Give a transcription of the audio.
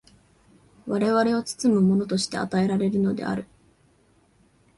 我々を包むものとして与えられるのである。